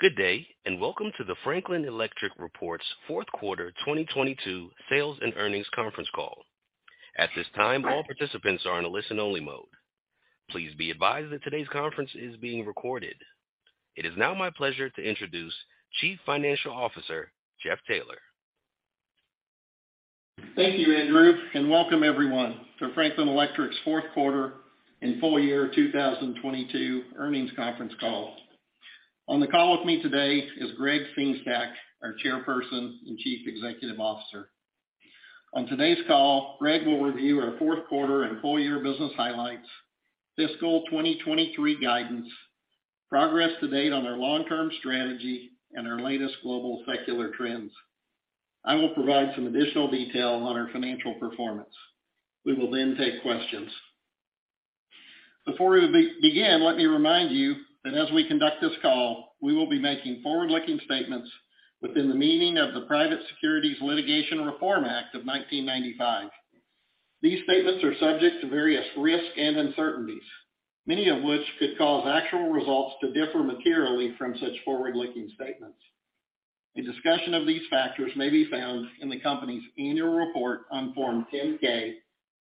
Good day, and welcome to the Franklin Electric report's fourth quarter 2022 sales and earnings conference call. At this time, all participants are in a listen-only mode. Please be advised that today's conference is being recorded. It is now my pleasure to introduce Chief Financial Officer, Jeffery Taylor. Thank you, Andrew. Welcome everyone to Franklin Electric's fourth quarter and full year 2022 earnings conference call. On the call with me today is Gregg Sengstack, our Chairperson and Chief Executive Officer. On today's call, Gregg will review our fourth quarter and full year business highlights, fiscal 2023 guidance, progress to date on our long-term strategy and our latest global secular trends. I will provide some additional detail on our financial performance. We will take questions. Before we begin, let me remind you that as we conduct this call, we will be making forward-looking statements within the meaning of the Private Securities Litigation Reform Act of 1995. These statements are subject to various risks and uncertainties, many of which could cause actual results to differ materially from such forward-looking statements. A discussion of these factors may be found in the company's annual report on Form 10-K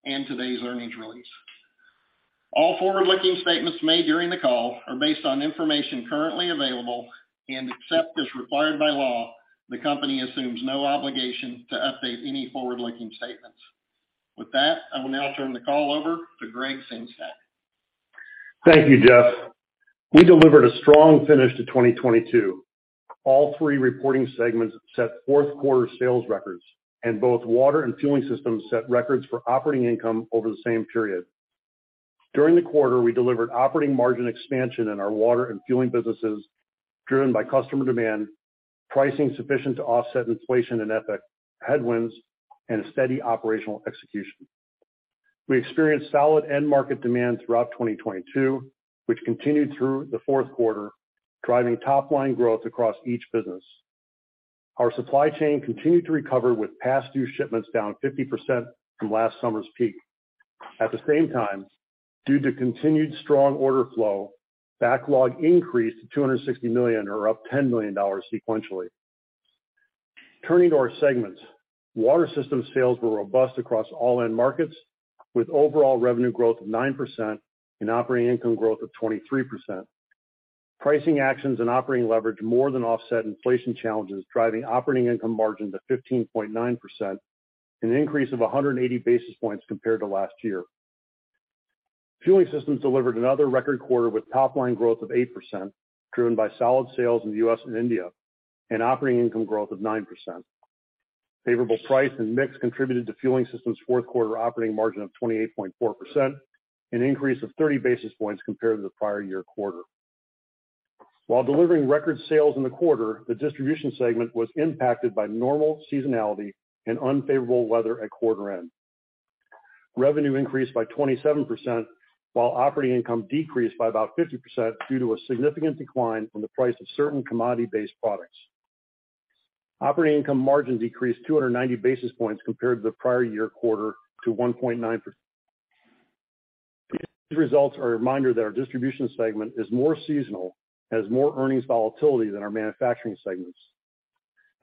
and today's earnings release. All forward-looking statements made during the call are based on information currently available, and except as required by law, the company assumes no obligation to update any forward-looking statements. With that, I will now turn the call over to Gregg Sengstack. Thank you, Jeffery. We delivered a strong finish to 2022. All three reporting segments set fourth quarter sales records, and both water and fueling systems set records for operating income over the same period. During the quarter, we delivered operating margin expansion in our water and fueling businesses, driven by customer demand, pricing sufficient to offset inflation and FX headwinds, and a steady operational execution. We experienced solid end market demand throughout 2022, which continued through the fourth quarter, driving top line growth across each business. Our supply chain continued to recover with past due shipments down 50% from last summer's peak. At the same time, due to continued strong order flow, backlog increased to $260 million or up $10 million sequentially. Turning to our segments. Water systems sales were robust across all end markets, with overall revenue growth of 9% and operating income growth of 23%. Pricing actions and operating leverage more than offset inflation challenges, driving operating income margin to 15.9%, an increase of 180 basis points compared to last year. Fueling Systems delivered another record quarter with top line growth of 8%, driven by solid sales in the US and India, and operating income growth of 9%. Favorable price and mix contributed to Fueling Systems' fourth quarter operating margin of 28.4%, an increase of 30 basis points compared to the prior year quarter. While delivering record sales in the quarter, the distribution segment was impacted by normal seasonality and unfavorable weather at quarter end. Revenue increased by 27%, while operating income decreased by about 50% due to a significant decline from the price of certain commodity-based products. Operating income margin decreased 290 basis points compared to the prior year quarter to 1.9%. These results are a reminder that our distribution segment is more seasonal and has more earnings volatility than our manufacturing segments.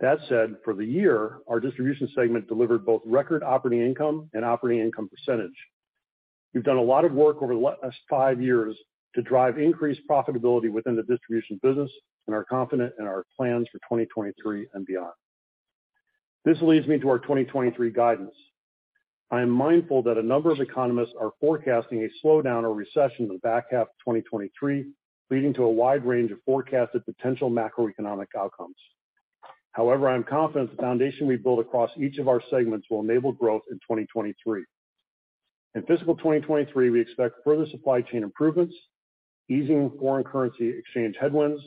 That said, for the year, our distribution segment delivered both record operating income and operating income percentage. We've done a lot of work over the last 5 years to drive increased profitability within the distribution business and are confident in our plans for 2023 and beyond. This leads me to our 2023 guidance. I am mindful that a number of economists are forecasting a slowdown or recession in the back half of 2023, leading to a wide range of forecasted potential macroeconomic outcomes. However, I am confident the foundation we build across each of our segments will enable growth in 2023. In fiscal 2023, we expect further supply chain improvements, easing foreign currency exchange headwinds,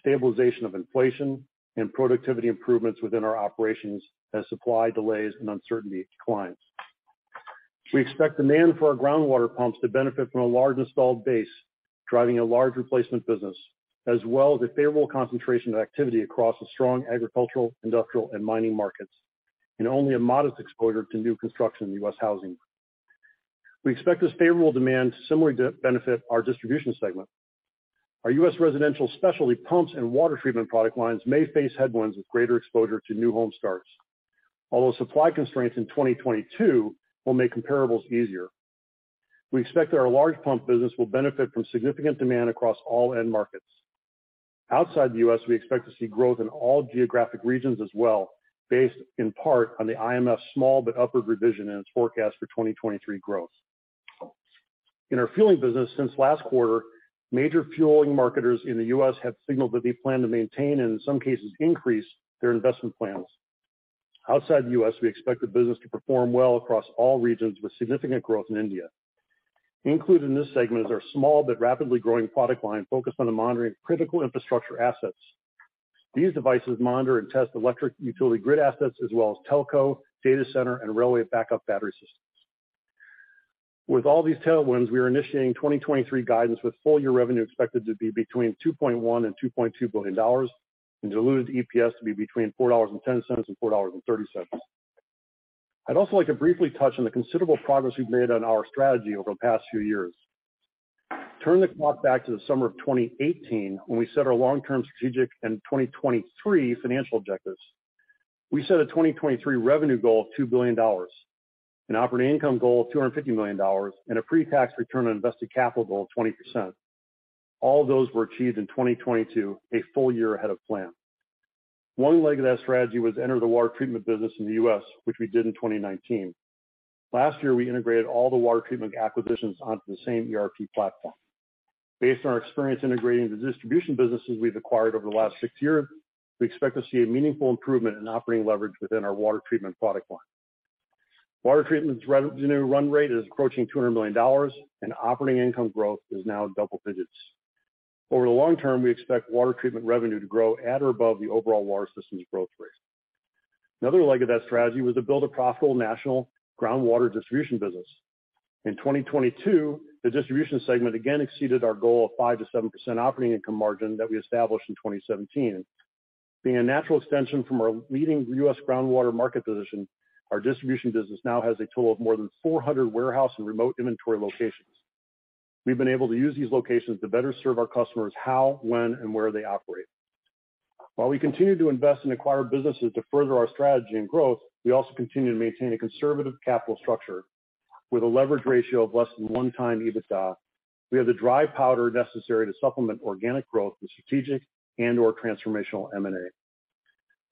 stabilization of inflation, and productivity improvements within our operations as supply delays and uncertainty declines. We expect demand for our groundwater pumps to benefit from a large installed base, driving a large replacement business, as well as a favorable concentration of activity across a strong agricultural, industrial, and mining markets, and only a modest exposure to new construction in US housing. We expect this favorable demand to similarly benefit our distribution segment. Our US residential specialty pumps and water treatment product lines may face headwinds with greater exposure to new home starts. Although supply constraints in 2022 will make comparables easier. We expect that our large pump business will benefit from significant demand across all end markets. Outside the US, we expect to see growth in all geographic regions as well, based in part on the IMF's small but upward revision in its forecast for 2023 growth. In our fueling business since last quarter, major fueling marketers in the US have signaled that they plan to maintain and in some cases increase their investment plans. Outside the US, we expect the business to perform well across all regions with significant growth in India. Included in this segment is our small but rapidly growing product line focused on the monitoring of critical infrastructure assets. These devices monitor and test electric utility grid assets as well as telco, data center, and railway backup battery systems. With all these tailwinds, we are initiating 2023 guidance with full year revenue expected to be between $2.1 billion and $2.2 billion, and diluted EPS to be between $4.10 and $4.30. I'd also like to briefly touch on the considerable progress we've made on our strategy over the past few years. Turn the clock back to the summer of 2018 when we set our long-term strategic and 2023 financial objectives. We set a 2023 revenue goal of $2 billion, an operating income goal of $250 million, and a pre-tax return on invested capital of 20%. All those were achieved in 2022, a full year ahead of plan. One leg of that strategy was to enter the water treatment business in the US, which we did in 2019. Last year, we integrated all the water treatment acquisitions onto the same ERP platform. Based on our experience integrating the distribution businesses we've acquired over the last six years, we expect to see a meaningful improvement in operating leverage within our water treatment product line. Water treatment's revenue run rate is approaching $200 million, and operating income growth is now double digits. Over the long term, we expect water treatment revenue to grow at or above the overall water systems growth rate. Another leg of that strategy was to build a profitable national groundwater distribution business. In 2022, the distribution segment again exceeded our goal of 5%-7% operating income margin that we established in 2017. Being a natural extension from our leading US groundwater market position, our distribution business now has a total of more than 400 warehouse and remote inventory locations. We've been able to use these locations to better serve our customers how, when, and where they operate. While we continue to invest in acquired businesses to further our strategy and growth, we also continue to maintain a conservative capital structure with a leverage ratio of less than 1 time EBITDA. We have the dry powder necessary to supplement organic growth with strategic and/or transformational M&A.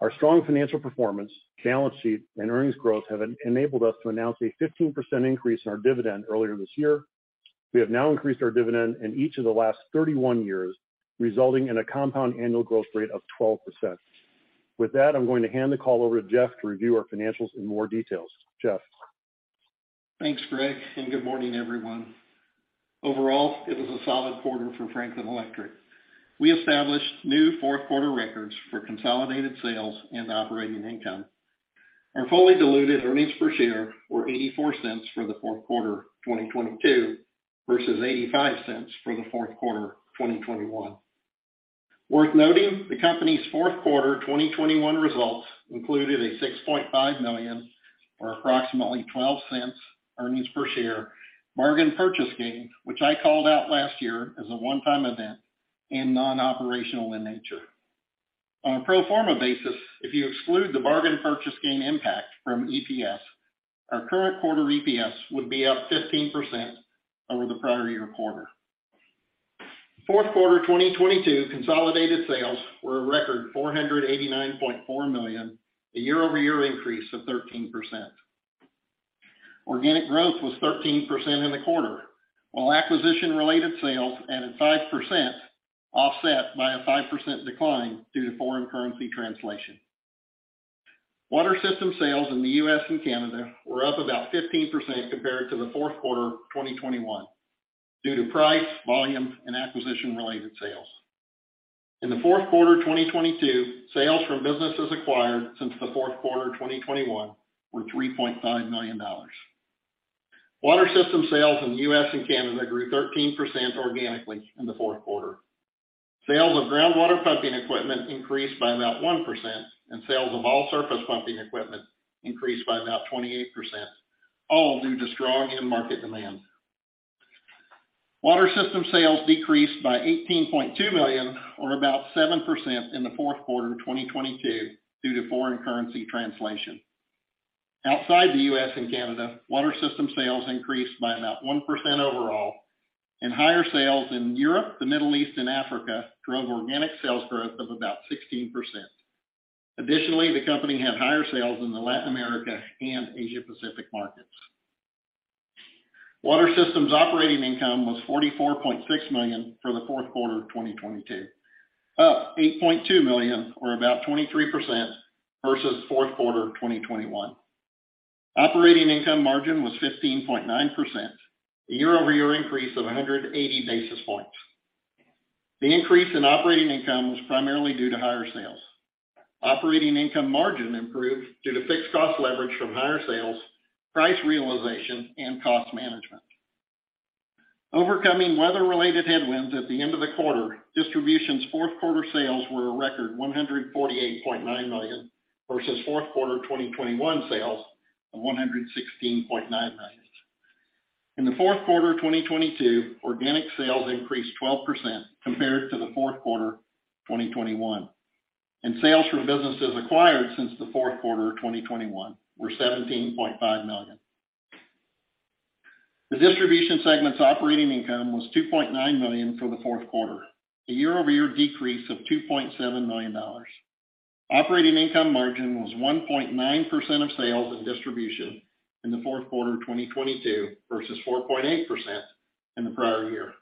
Our strong financial performance, balance sheet, and earnings growth have enabled us to announce a 15% increase in our dividend earlier this year. We have now increased our dividend in each of the last 31 years, resulting in a compound annual growth rate of 12%. With that, I'm going to hand the call over to Jeffery to review our financials in more details. Jeffery? Thanks, Gregg. Good morning, everyone. Overall, it was a solid quarter for Franklin Electric. We established new fourth quarter records for consolidated sales and operating income. Our fully diluted earnings per share were $0.84 for the fourth quarter of 2022 versus $0.85 for the fourth quarter of 2021. Worth noting, the company's fourth quarter of 2021 results included a $6.5 million, or approximately $0.12 earnings per share, bargain purchase gain, which I called out last year as a one-time event and non-operational in nature. On a pro forma basis, if you exclude the bargain purchase gain impact from EPS, our current quarter EPS would be up 15% over the prior year quarter. Fourth quarter of 2022 consolidated sales were a record $489.4 million, a year-over-year increase of 13%. Organic growth was 13% in the quarter, while acquisition-related sales added 5%, offset by a 5% decline due to foreign currency translation. Water system sales in the US and Canada were up about 15% compared to the fourth quarter of 2021 due to price, volume, and acquisition-related sales. In the fourth quarter of 2022, sales from businesses acquired since the fourth quarter of 2021 were $3.5 million. Water system sales in the US and Canada grew 13% organically in the fourth quarter. Sales of groundwater pumping equipment increased by about 1%, and sales of all surface pumping equipment increased by about 28%, all due to strong end market demand. Water system sales decreased by $18.2 million, or about 7% in the fourth quarter of 2022 due to foreign currency translation. Outside the US and Canada, water system sales increased by about 1% overall, and higher sales in Europe, the Middle East, and Africa drove organic sales growth of about 16%. The company had higher sales in the Latin America and Asia Pacific markets. Water systems operating income was $44.6 million for the fourth quarter of 2022, up $8.2 million or about 23% versus fourth quarter of 2021. Operating income margin was 15.9%, a year-over-year increase of 180 basis points. The increase in operating income was primarily due to higher sales. Operating income margin improved due to fixed cost leverage from higher sales, price realization, and cost management. Overcoming weather-related headwinds at the end of the quarter, distribution's fourth quarter sales were a record $148.9 million, versus fourth quarter of 2021 sales of $116.9 million. In the fourth quarter of 2022, organic sales increased 12% compared to the fourth quarter of 2021. Sales from businesses acquired since the fourth quarter of 2021 were $17.5 million. The distribution segment's operating income was $2.9 million for the fourth quarter, a year-over-year decrease of $2.7 million. Operating income margin was 1.9% of sales and distribution in the fourth quarter of 2022 versus 4.8% in the prior year.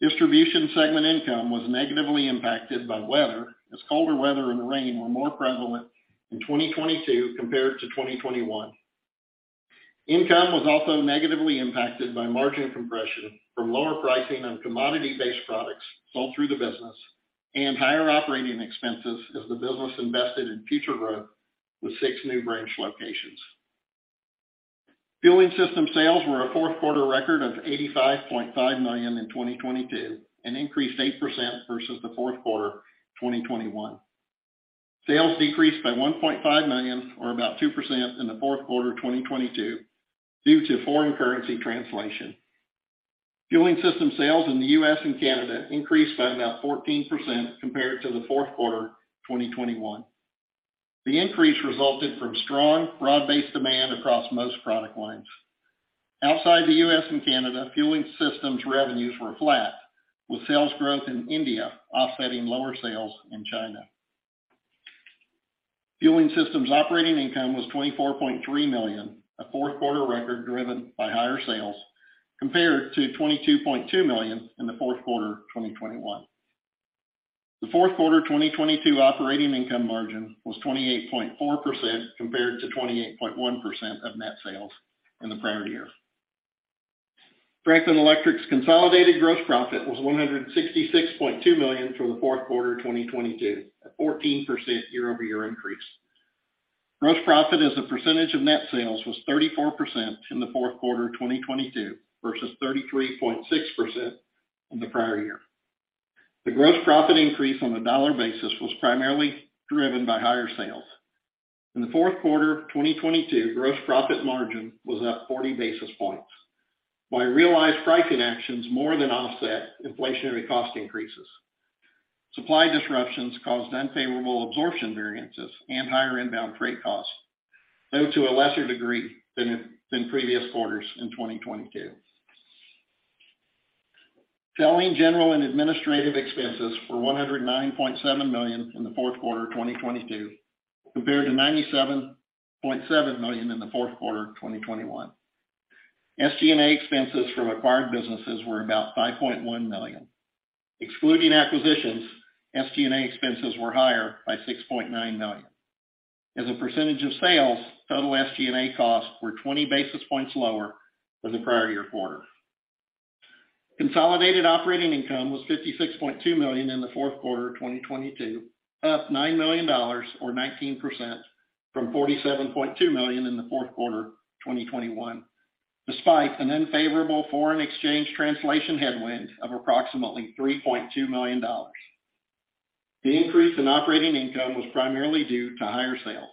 Distribution segment income was negatively impacted by weather, as colder weather and rain were more prevalent in 2022 compared to 2021. Income was also negatively impacted by margin compression from lower pricing on commodity-based products sold through the business and higher operating expenses as the business invested in future growth with 6 new branch locations. Fueling system sales were a fourth quarter record of $85.5 million in 2022 and increased 8% versus the fourth quarter 2021. Sales decreased by $1.5 million or about 2% in the fourth quarter 2022 due to foreign currency translation. Fueling system sales in the US and Canada increased by about 14% compared to the fourth quarter 2021. The increase resulted from strong broad-based demand across most product lines. Outside the US and Canada, fueling systems revenues were flat, with sales growth in India offsetting lower sales in China. Fueling systems operating income was $24.3 million, a fourth quarter record driven by higher sales compared to $22.2 million in the fourth quarter 2021. The fourth quarter 2022 operating income margin was 28.4% compared to 28.1% of net sales in the prior year. Franklin Electric's consolidated gross profit was $166.2 million for the fourth quarter 2022, a 14% year-over-year increase. Gross profit as a percentage of net sales was 34% in the fourth quarter of 2022 versus 33.6% in the prior year. The gross profit increase on a dollar basis was primarily driven by higher sales. In the fourth quarter of 2022, gross profit margin was up 40 basis points, while realized pricing actions more than offset inflationary cost increases. Supply disruptions caused unfavorable absorption variances and higher inbound freight costs, though to a lesser degree than previous quarters in 2022. Selling, general, and administrative expenses were $109.7 million in the fourth quarter of 2022 compared to $97.7 million in the fourth quarter of 2021. SG&A expenses from acquired businesses were about $5.1 million. Excluding acquisitions, SG&A expenses were higher by $6.9 million. As a percentage of sales, total SG&A costs were 20 basis points lower than the prior year quarter. Consolidated operating income was $56.2 million in the fourth quarter of 2022, up $9 million or 19% from $47.2 million in the fourth quarter of 2021, despite an unfavorable foreign exchange translation headwind of approximately $3.2 million. The increase in operating income was primarily due to higher sales.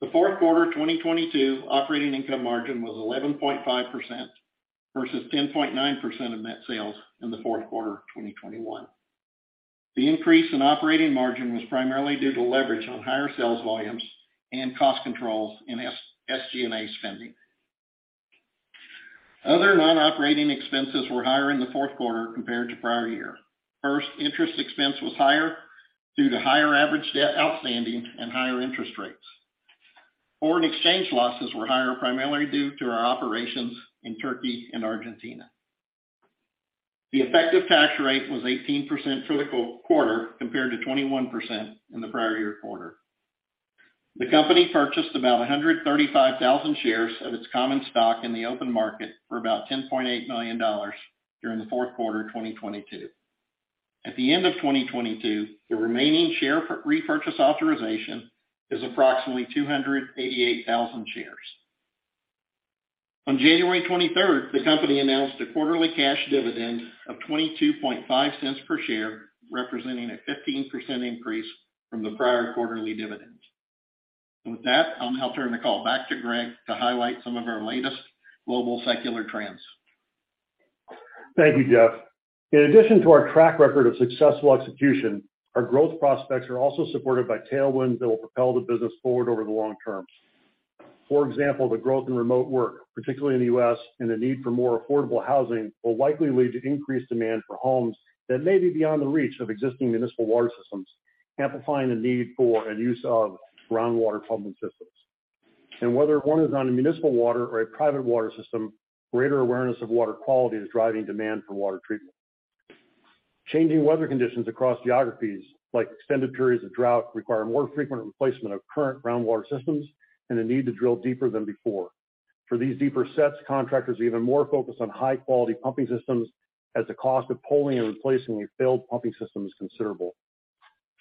The fourth quarter of 2022 operating income margin was 11.5% versus 10.9% of net sales in the fourth quarter of 2021. The increase in operating margin was primarily due to leverage on higher sales volumes and cost controls in SG&A spending. Other non-operating expenses were higher in the fourth quarter compared to prior year. Interest expense was higher due to higher average debt outstanding and higher interest rates. Foreign exchange losses were higher primarily due to our operations in Turkey and Argentina. The effective tax rate was 18% for the quarter compared to 21% in the prior year quarter. The company purchased about 135,000 shares of its common stock in the open market for about $10.8 million during the fourth quarter of 2022. At the end of 2022, the remaining share for repurchase authorization is approximately 288,000 shares. On January 23rd, the company announced a quarterly cash dividend of $0.225 per share, representing a 15% increase from the prior quarterly dividend. With that, I'll now turn the call back to Gregg to highlight some of our latest global secular trends. Thank you, Jeff. In addition to our track record of successful execution, our growth prospects are also supported by tailwinds that will propel the business forward over the long term. For example, the growth in remote work, particularly in the US, and the need for more affordable housing will likely lead to increased demand for homes that may be beyond the reach of existing municipal water systems, amplifying the need for and use of groundwater pumping systems. Whether one is on a municipal water or a private water system, greater awareness of water quality is driving demand for water treatment. Changing weather conditions across geographies, like extended periods of drought, require more frequent replacement of current groundwater systems and the need to drill deeper than before. For these deeper sets, contractors are even more focused on high-quality pumping systems, as the cost of pulling and replacing a failed pumping system is considerable.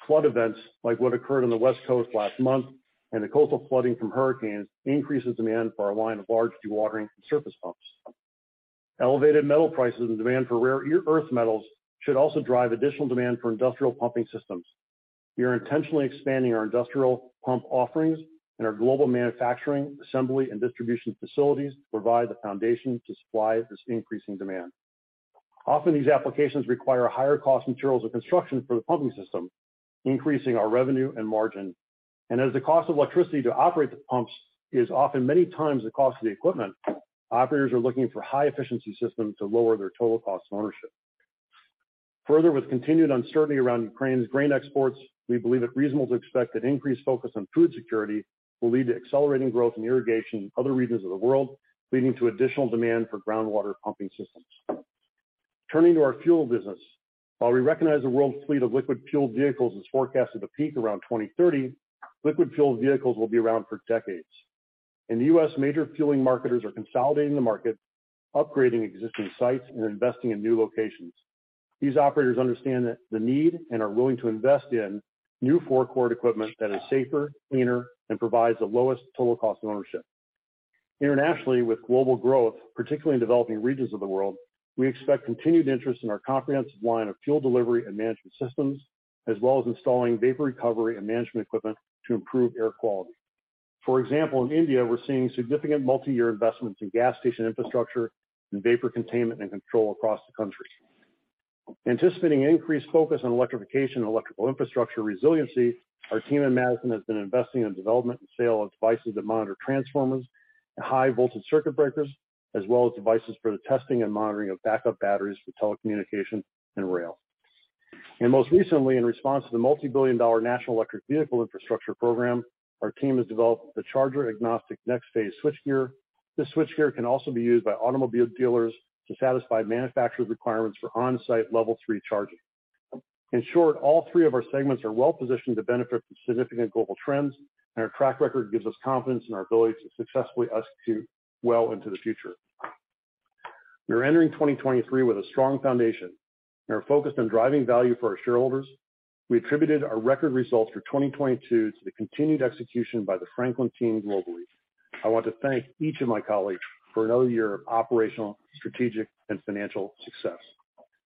Flood events like what occurred on the West Coast last month and the coastal flooding from hurricanes increases demand for our line of large dewatering and surface pumps. Elevated metal prices and demand for rare earth metals should also drive additional demand for industrial pumping systems. We are intentionally expanding our industrial pump offerings and our global manufacturing, assembly, and distribution facilities to provide the foundation to supply this increasing demand. Often, these applications require higher cost materials of construction for the pumping system, increasing our revenue and margin. As the cost of electricity to operate the pumps is often many times the cost of the equipment, operators are looking for high-efficiency systems to lower their total cost of ownership. With continued uncertainty around Ukraine's grain exports, we believe it reasonable to expect that increased focus on food security will lead to accelerating growth in irrigation in other regions of the world, leading to additional demand for groundwater pumping systems. Turning to our fuel business. While we recognize the world's fleet of liquid fuel vehicles is forecasted to peak around 2030, liquid fuel vehicles will be around for decades. In the US, major fueling marketers are consolidating the market, upgrading existing sites, and investing in new locations. These operators understand that the need and are willing to invest in new forecourt equipment that is safer, cleaner, and provides the lowest total cost of ownership. Internationally, with global growth, particularly in developing regions of the world, we expect continued interest in our comprehensive line of fuel delivery and management systems, as well as installing vapor recovery and management equipment to improve air quality. For example, in India, we're seeing significant multiyear investments in gas station infrastructure and vapor containment and control across the country. Anticipating increased focus on electrification and electrical infrastructure resiliency, our team in Madison has been investing in development and sale of devices that monitor transformers and high voltage circuit breakers, as well as devices for the testing and monitoring of backup batteries for telecommunication and rail. Most recently, in response to the $ multi-billion National Electric Vehicle Infrastructure program, our team has developed the charger agnostic NexPhase switchgear. This switchgear can also be used by automobile dealers to satisfy manufacturer's requirements for on-site Level 3 charging. In short, all three of our segments are well positioned to benefit from significant global trends, and our track record gives us confidence in our ability to successfully execute well into the future. We are entering 2023 with a strong foundation. We are focused on driving value for our shareholders. We attributed our record results for 2022 to the continued execution by the Franklin team globally. I want to thank each of my colleagues for another year of operational, strategic, and financial success.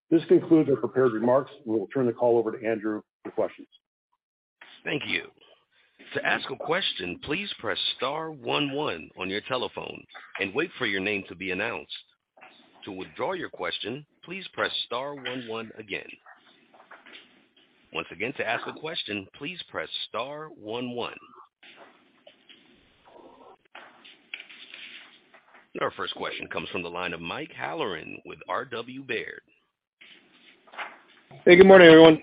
This concludes our prepared remarks. We will turn the call over to Andrew for questions. Thank you. To ask a question, please press star one one on your telephone and wait for your name to be announced. To withdraw your question, please press star one one again. Once again, to ask a question, please press star one one. Our first question comes from the line of Mike Halloran with R.W. Baird. Hey, good morning, everyone.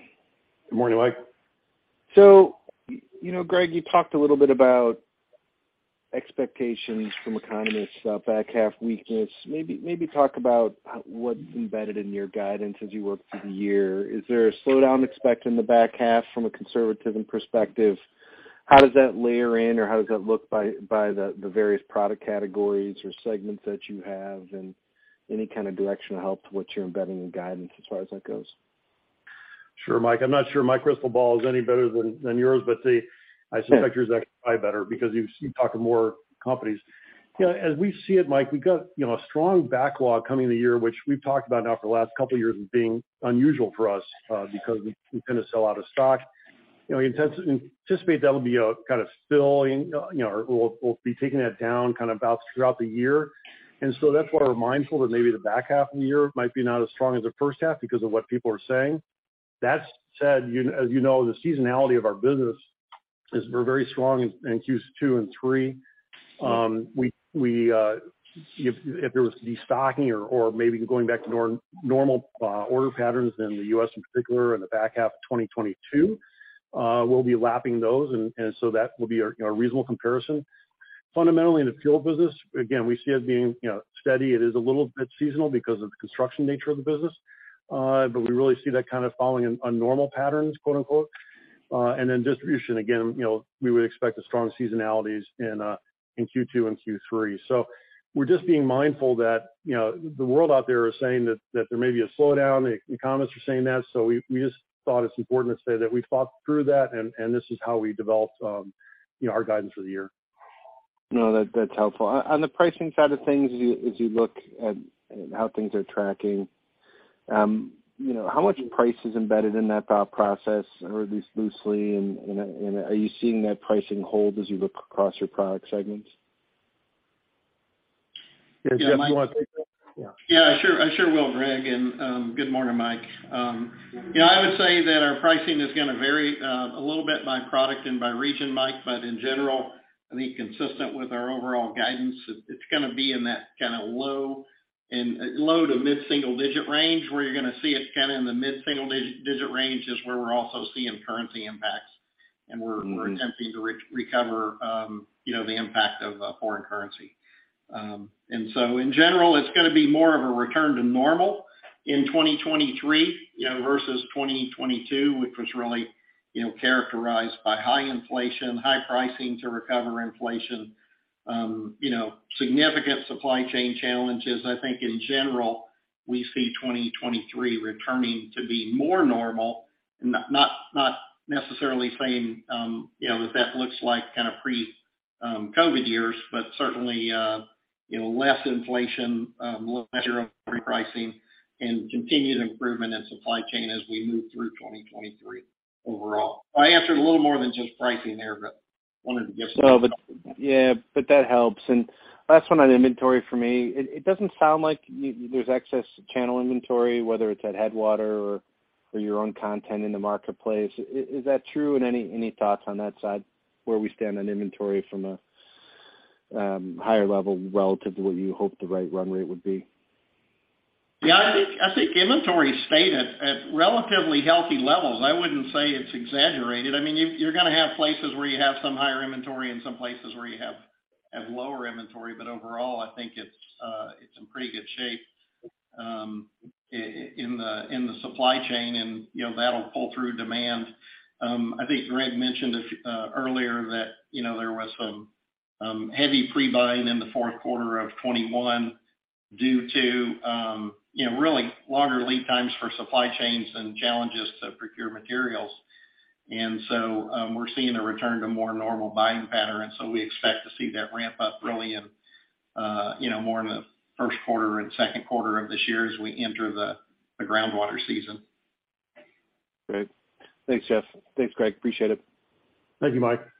Good morning, Mike. You know, Greg, you talked a little bit about expectations from economists about back half weakness. Maybe talk about what's embedded in your guidance as you work through the year. Is there a slowdown expect in the back half from a conservative perspective? How does that layer in or how does that look by the various product categories or segments that you have? Any kind of direction of help to what you're embedding in guidance as far as that goes? Sure, Mike. I'm not sure my crystal ball is any better than yours, but the... I suspect yours is actually probably better because you talk to more companies. Yeah. As we see it, Mike, we got, you know, a strong backlog coming in the year, which we've talked about now for the last couple of years as being unusual for us because we tend to sell out of stock. You know, we anticipate that'll be a kind of still, you know. Or we'll be taking that down kind of bouts throughout the year. That's why we're mindful that maybe the back half of the year might be not as strong as the first half because of what people are saying. That said, you know, as you know, the seasonality of our business is we're very strong in Q2 and three. If there was destocking or maybe going back to normal order patterns in the US in particular in the back half of 2022, we'll be lapping those. That will be a, you know, a reasonable comparison. Fundamentally, in the fuel business, again, we see it being, you know, steady. It is a little bit seasonal because of the construction nature of the business. We really see that kind of following a normal patterns, quote-unquote. Distribution, again, you know, we would expect the strong seasonalities in Q2 and Q3. We're just being mindful that, you know, the world out there is saying that there may be a slowdown. The economists are saying that. We just thought it's important to say that we thought through that and this is how we developed, you know, our guidance for the year. No, that's helpful. On the pricing side of things, as you look at how things are tracking, you know, how much price is embedded in that thought process or at least loosely and are you seeing that pricing hold as you look across your product segments? Yeah. Jeff, you want to take that? Yeah. Yeah. I sure will, Gregg. Good morning, Mike. You know, I would say that our pricing is gonna vary a little bit by product and by region, Mike. In general, I think consistent with our overall guidance, it's gonna be in that kinda low to mid-single digit range. Where you're gonna see it kind of in the mid-single digit range is where we're also seeing currency impacts. Mm-hmm. We're attempting to re-recover, you know, the impact of foreign currency. In general, it's gonna be more of a return to normal in 2023, you know, versus 2022, which was really, you know, characterized by high inflation, high pricing to recover inflation, you know, significant supply chain challenges. I think in general, we see 2023 returning to be more normal, not necessarily saying, you know, that that looks like kind of pre- COVID years. Certainly, you know, less inflation, less measure of repricing and continued improvement in supply chain as we move through 2023 overall. I answered a little more than just pricing there, but wanted to give. Yeah, that helps. Last one on inventory for me. It doesn't sound like there's excess channel inventory, whether it's at Headwater or your own content in the marketplace. Is that true? Any thoughts on that side, where we stand on inventory from a higher level relative to what you hope the right run rate would be? Yeah. I think inventory stayed at relatively healthy levels. I wouldn't say it's exaggerated. I mean, you're gonna have places where you have some higher inventory and some places where you have lower inventory. Overall, I think it's in pretty good shape in the supply chain and, you know, that'll pull through demand. I think Gregg mentioned earlier that, you know, there was some heavy pre-buying in the fourth quarter of 2021 due to, you know, really longer lead times for supply chains and challenges to procure materials. We're seeing a return to more normal buying patterns. We expect to see that ramp up really in, you know, more in the first quarter and second quarter of this year as we enter the groundwater season. Great. Thanks, Jeffery. Thanks, Gregg. Appreciate it. Thank you, Mike. Thank you.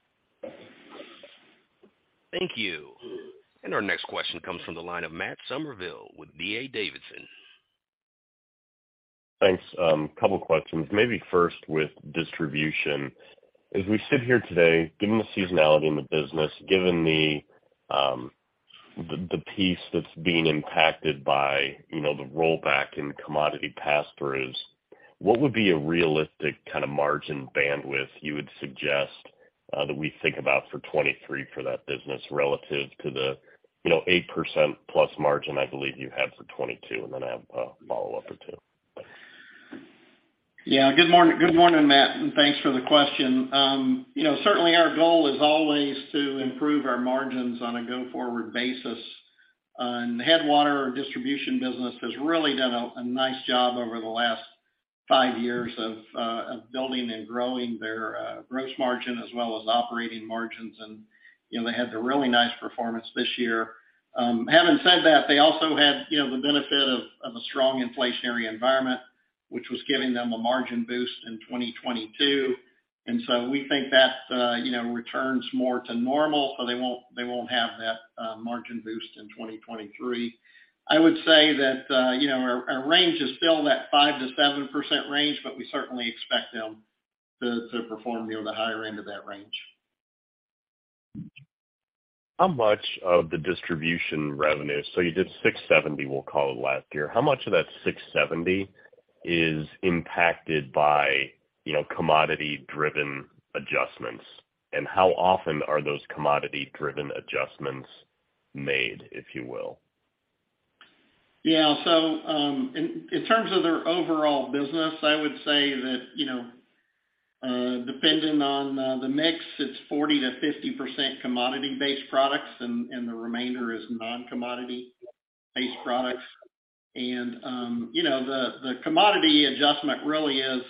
Our next question comes from the line of Matt Summerville with D.A. Davidson. Thanks. Couple questions. Maybe first with distribution. As we sit here today, given the seasonality in the business, given the piece that's being impacted by, you know, the rollback in commodity pass-throughs, what would be a realistic kind of margin bandwidth you would suggest that we think about for 2023 for that business relative to the, you know, 8%+ margin I believe you had for 2022? Then I have a follow-up or two. Yeah. Good morning, Matt, and thanks for the question. you know, certainly our goal is always to improve our margins on a go-forward basis. Headwater distribution business has really done a nice job over the last 5 years of building and growing their gross margin as well as operating margins. you know, they had a really nice performance this year. having said that, they also had, you know, the benefit of a strong inflationary environment, which was giving them a margin boost in 2022. we think that, you know, returns more to normal, so they won't have that margin boost in 2023. I would say that, you know, our range is still that 5%-7% range, but we certainly expect them to perform near the higher end of that range. How much of the distribution revenue... You did $670, we'll call it, last year. How much of that $670 is impacted by, you know, commodity-driven adjustments? How often are those commodity-driven adjustments made, if you will? In terms of their overall business, I would say that, depending on the mix, it's 40%-50% commodity-based products and the remainder is non-commodity-based products. The commodity adjustment really is,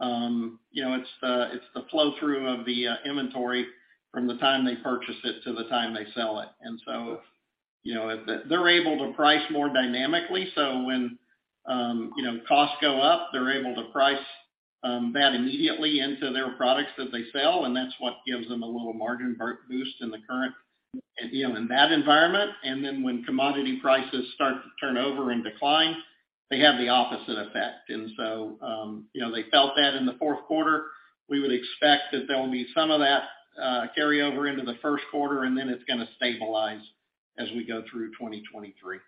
it's the flow through of the inventory from the time they purchase it to the time they sell it. They're able to price more dynamically, so when costs go up, they're able to price that immediately into their products that they sell, and that's what gives them a little margin boost in the current, in that environment. When commodity prices start to turn over and decline, they have the opposite effect. They felt that in the fourth quarter. We would expect that there will be some of that, carry over into the first quarter, and then it's gonna stabilize as we go through 2023.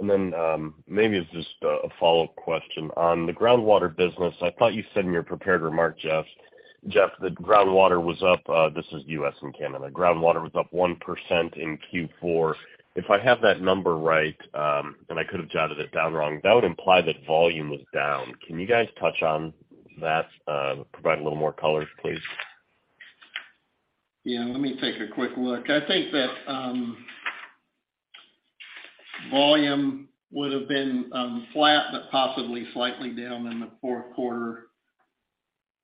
Maybe it's just a follow-up question. On the groundwater business, I thought you said in your prepared remarks, Jeff, that groundwater was up, this is US and Canada, groundwater was up 1% in Q4. If I have that number right, and I could have jotted it down wrong, that would imply that volume was down. Can you guys touch on that, provide a little more color, please? Let me take a quick look. I think that volume would have been flat, but possibly slightly down in the fourth quarter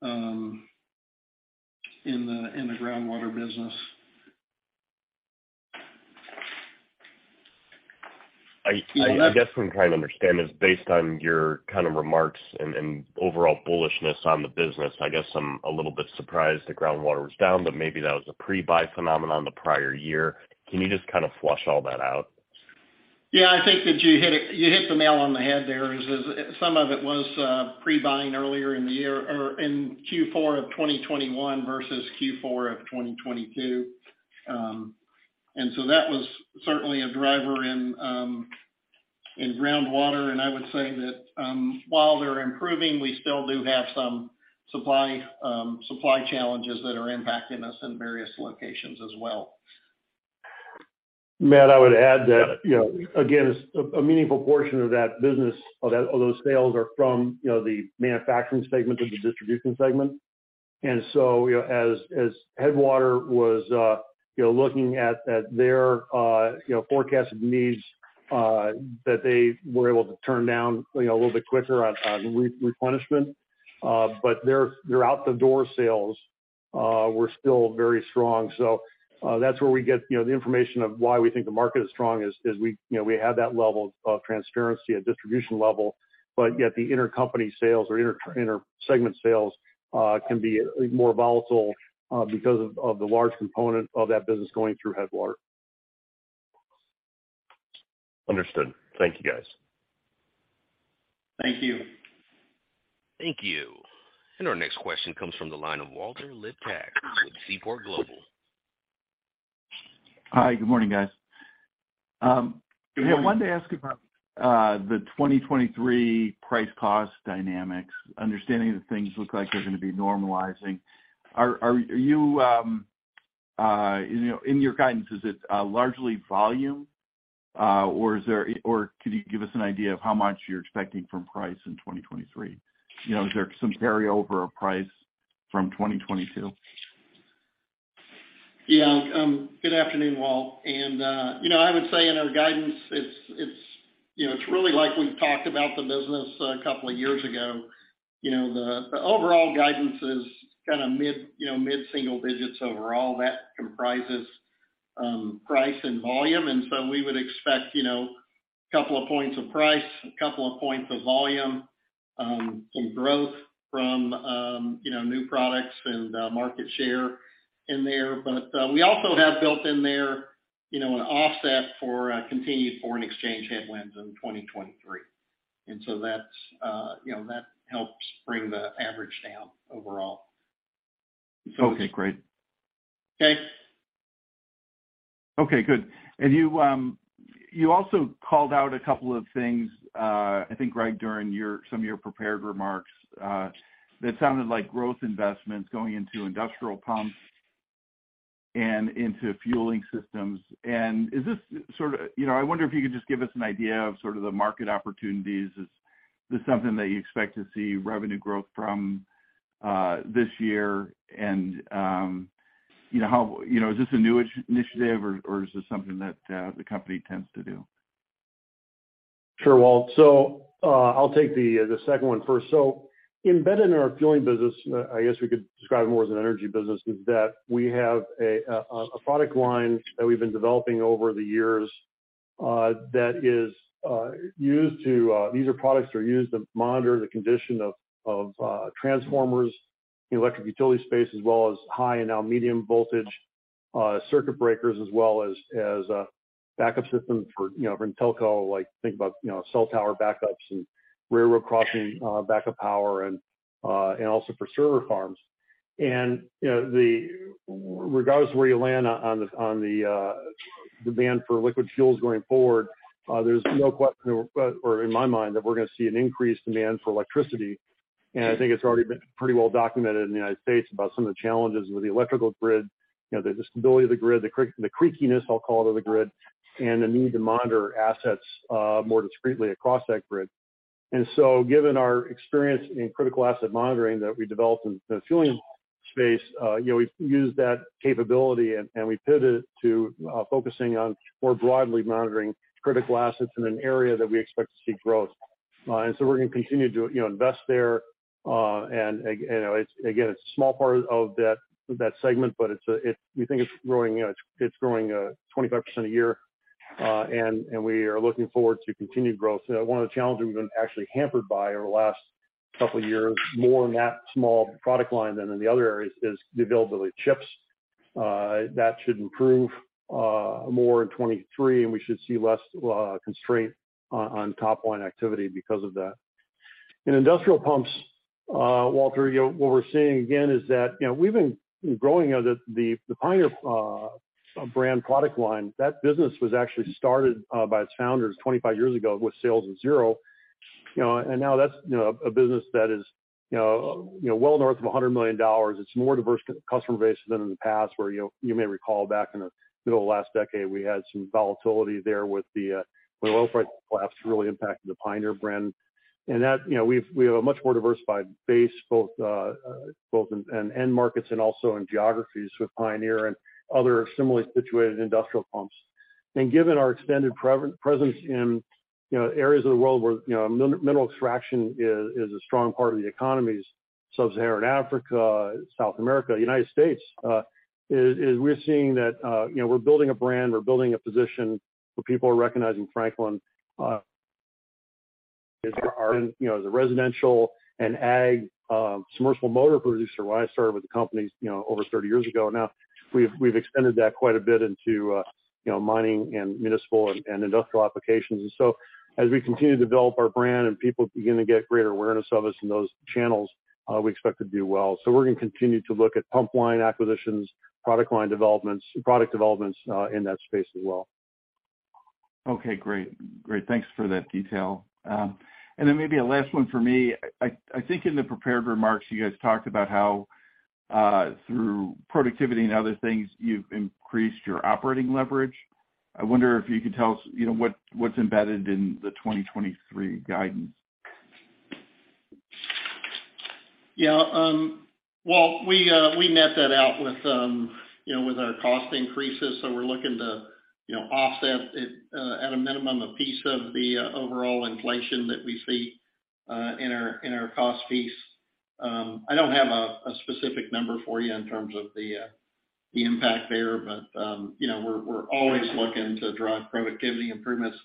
in the groundwater business. I guess what I'm trying to understand is based on your kind of remarks and overall bullishness on the business, I guess I'm a little bit surprised the groundwater was down, but maybe that was a pre-buy phenomenon the prior year. Can you just kind of flush all that out? I think that you hit the nail on the head there, is some of it was pre-buying earlier in the year or in Q4 of 2021 versus Q4 of 2022. That was certainly a driver in groundwater. I would say that, while they're improving, we still do have some supply challenges that are impacting us in various locations as well. Matt, I would add that, you know, again, a meaningful portion of that business or those sales are from, you know, the manufacturing segment or the distribution segment. You know, as Headwater was, you know, looking at their, you know, forecasted needs that they were able to turn down, you know, a little bit quicker on replenishment. Their out-the-door sales were still very strong. That's where we get, you know, the information of why we think the market is strong is we, you know, we have that level of transparency at distribution level. Yet the intercompany sales or intersegment sales can be more volatile because of the large component of that business going through Headwater. Understood. Thank you, guys. Thank you. Thank you. Our next question comes from the line of Walter Liptak with Seaport Global. Hi. Good morning, guys. I wanted to ask about the 2023 price cost dynamics. Understanding that things look like they're gonna be normalizing, are you know, in your guidance, is it largely volume, or could you give us an idea of how much you're expecting from price in 2023? You know, is there some carryover of price from 2022? Yeah. Good afternoon, Walter. You know, I would say in our guidance it's, you know, it's really like we've talked about the business a couple of years ago. You know, the overall guidance is kind of mid, you know, mid-single digits overall. That comprises price and volume. We would expect, you know, couple of points of price, a couple of points of volume, some growth from, you know, new products and market share in there. We also have built in there, you know, an offset for continued foreign exchange headwinds in 2023. That's, you know, that helps bring the average down overall. Okay, great. Thanks. Okay, good. You, you also called out a couple of things, I think right during your, some of your prepared remarks, that sounded like growth investments going into industrial pumps and into fueling systems. You know, I wonder if you could just give us an idea of sort of the market opportunities. Is this something that you expect to see revenue growth from, this year? You know, is this a new initiative or is this something that, the company tends to do? Sure, Walter. I'll take the second one first. Embedded in our fueling business, I guess we could describe it more as an energy business, is that we have a product line that we've been developing over the years, that is used to. These are products that are used to monitor the condition of transformers in the electric utility space, as well as high and now medium voltage circuit breakers, as well as backup systems for, you know, for in telco, like think about, you know, cell tower backups and railroad crossing backup power and also for server farms. You know, the... Regardless of where you land on the demand for liquid fuels going forward, there's no question in my mind that we're gonna see an increased demand for electricity. I think it's already been pretty well documented in the United States about some of the challenges with the electrical grid, you know, the stability of the grid, the creakiness, I'll call it, of the grid, and the need to monitor assets more discreetly across that grid. Given our experience in critical asset monitoring that we developed in the fueling space, you know, we've used that capability and we pivoted to focusing on more broadly monitoring critical assets in an area that we expect to see growth. We're gonna continue to, you know, invest there. Again, it's a small part of that segment, but we think it's growing, you know, it's growing 25% a year. We are looking forward to continued growth. One of the challenges we've been actually hampered by over the last couple years, more in that small product line than in the other areas, is the availability of chips. That should improve more in 2023, and we should see less constraint on top line activity because of that. In industrial pumps, Walter, you know, what we're seeing again is that, you know, we've been growing the Pioneer brand product line. That business was actually started by its founders 25 years ago with sales of zero. Now that's, you know, a business that is, you know, well north of $100 million. It's a more diverse customer base than in the past, where, you know, you may recall back in the middle of last decade, we had some volatility there with the when the oil price collapse really impacted the Pioneer brand. That, you know, we have a much more diversified base, both in end markets and also in geographies with Pioneer and other similarly situated industrial pumps. Given our extended presence in, you know, areas of the world where, you know, mineral extraction is a strong part of the economies, Sub-Saharan Africa, South America, United States, is we're seeing that, you know, we're building a brand, we're building a position where people are recognizing Franklin Electric, as our, you know, the residential and ag submersible motor producer when I started with the company, you know, over 30 years ago. Now we've extended that quite a bit into, you know, mining and municipal and industrial applications. As we continue to develop our brand and people begin to get greater awareness of us in those channels, we expect to do well. We're gonna continue to look at pump line acquisitions, product line developments, product developments in that space as well. Okay, great. Great. Thanks for that detail. Then maybe a last one for me. I think in the prepared remarks you guys talked about how through productivity and other things, you've increased your operating leverage. I wonder if you could tell us, you know, what's embedded in the 2023 guidance? Yeah. Walt, we net that out with, you know, with our cost increases. We're looking to, you know, offset it, at a minimum, a piece of the overall inflation that we see, in our cost piece. I don't have a specific number for you in terms of the impact there. You know, we're always looking to drive productivity improvements.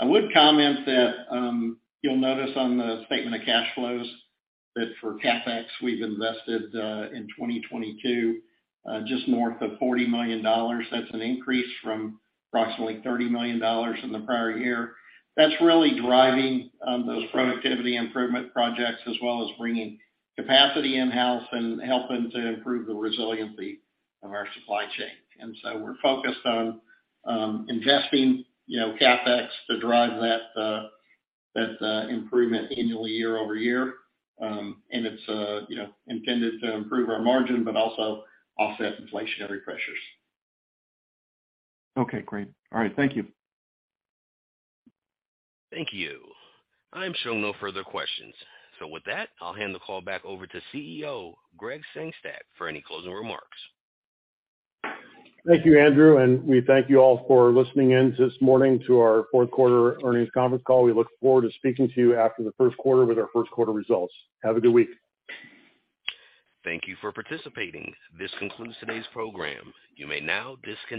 I would comment that, you'll notice on the statement of cash flows that for CapEx, we've invested, in 2022, just north of $40 million. That's an increase from approximately $30 million in the prior year. That's really driving, those productivity improvement projects, as well as bringing capacity in-house and helping to improve the resiliency of our supply chain. We're focused on, investing, you know, CapEx to drive that, improvement annually year-over-year. It's, you know, intended to improve our margin, but also offset inflationary pressures. Okay, great. All right. Thank you. Thank you. I'm showing no further questions. With that, I'll hand the call back over to CEO Gregg Sengstack for any closing remarks. Thank you, Andrew. We thank you all for listening in this morning to our fourth quarter earnings conference call. We look forward to speaking to you after the first quarter with our first quarter results. Have a good week. Thank you for participating. This concludes today's program. You may now disconnect.